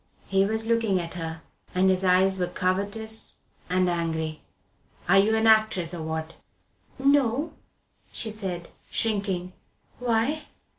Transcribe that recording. He was looking at her, and his eyes were covetous and angry. "Are you an actress, or what?" "No," she said, shrinking. "Why?"